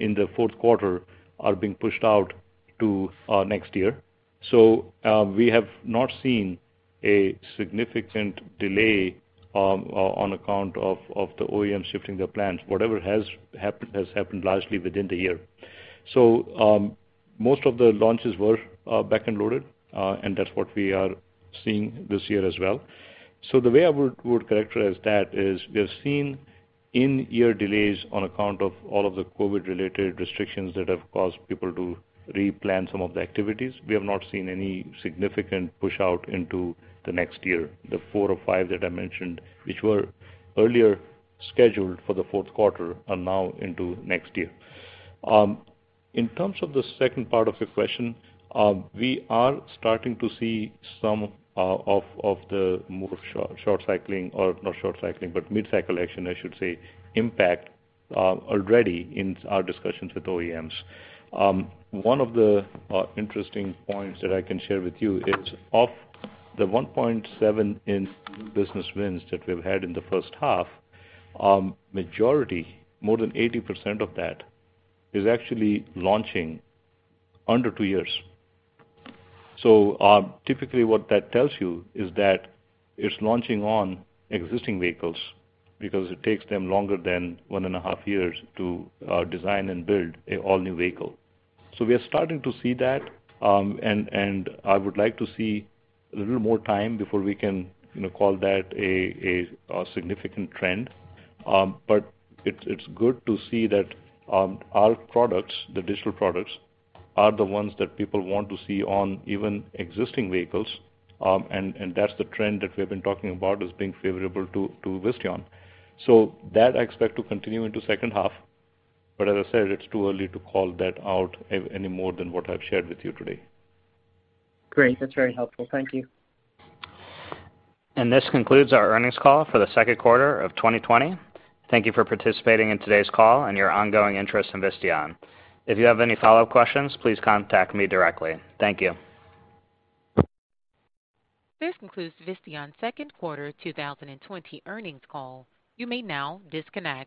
in the fourth quarter are being pushed out to next year. We have not seen a significant delay on account of the OEM shifting their plans. Whatever has happened, has happened largely within the year. Most of the launches were back-end loaded, and that's what we are seeing this year as well. The way I would characterize that is we have seen in-year delays on account of all of the COVID-related restrictions that have caused people to replan some of the activities. We have not seen any significant push-out into the next year. The four or five that I mentioned, which were earlier scheduled for the fourth quarter, are now into next year. In terms of the second part of your question, we are starting to see some of the more short cycling, or not short cycling, but mid-cycle action, I should say, impact already in our discussions with OEMs. One of the interesting points that I can share with you is of the $1.7 in new business wins that we've had in the first half, majority, more than 80% of that, is actually launching under two years. Typically what that tells you is that it's launching on existing vehicles because it takes them longer than one and a half years to design and build an all-new vehicle. We are starting to see that, and I would like to see a little more time before we can call that a significant trend. It's good to see that our products, the digital products, are the ones that people want to see on even existing vehicles. That's the trend that we've been talking about as being favorable to Visteon. That I expect to continue into second half, but as I said, it's too early to call that out any more than what I've shared with you today. Great. That's very helpful. Thank you. This concludes our earnings call for the second quarter of 2020. Thank you for participating in today's call and your ongoing interest in Visteon. If you have any follow-up questions, please contact me directly. Thank you. This concludes Visteon second quarter 2020 earnings call. You may now disconnect.